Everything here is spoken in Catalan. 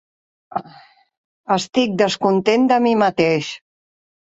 Estic descontent de mi mateix.